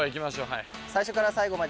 はい。